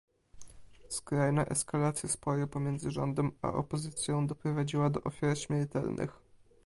Skrajna eskalacja sporu pomiędzy rządem a opozycją doprowadziła do ofiar śmiertelnych